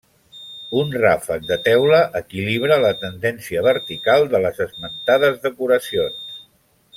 Un ràfec de teula equilibra la tendència vertical de les esmentades decoracions.